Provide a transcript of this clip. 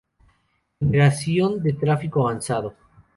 Generación de Tráfico Avanzado.